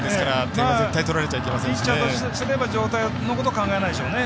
ピッチャーとすれば状態のことは考えないでしょうね。